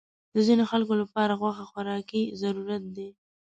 د ځینو خلکو لپاره غوښه خوراکي ضرورت دی.